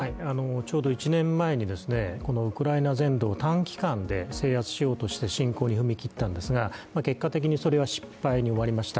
ちょうど１年前にこのウクライナ全土を短期間で制圧しようとして侵攻に踏み切ったんですが、結果的にそれは失敗に終わりました。